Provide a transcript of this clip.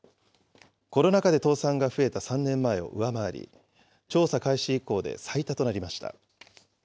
コロナ禍で倒産が増えた３年前を上回り、調査開始以降で最多となりました。